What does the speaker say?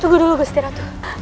tunggu dulu gusti ratu